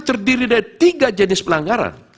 terdiri dari tiga jenis pelanggaran